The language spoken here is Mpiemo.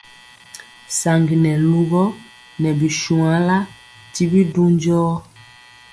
Saŋgi nɛ lugɔ nɛ bi shuanla ti bi du njɔɔ.